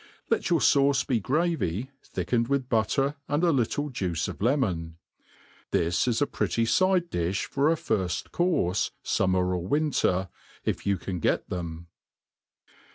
Let your fauce be gravy, thickened with butter and a little juice of lemon. This is a pretty fide difh for a firfl^ courfe, fummer or winter, if you can get them.